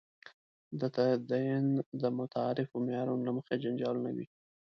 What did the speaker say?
د تدین د متعارفو معیارونو له مخې جنجالونه وي.